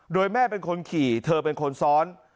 โดยแม่เป็นคนขี่เธอเป็นคนซ้อน